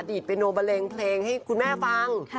ดีดไปโนเบลงเพลงให้คุณแม่ฟัง